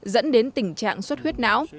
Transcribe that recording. dẫn đến tình trạng suất huyết não